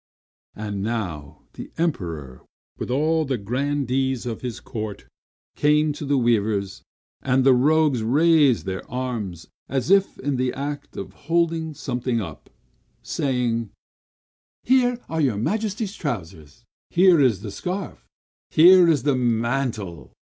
And now the Emperor, with all the grandees of his court, came to the weavers; and the rogues raised their arms, as if in the act of holding something up, saying, "Here are your Majesty's trousers! Here is the scarf! Here is the mantle!